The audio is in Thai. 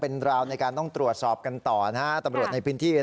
นั่งกัน